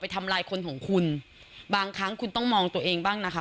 ทำลายคนของคุณบางครั้งคุณต้องมองตัวเองบ้างนะคะ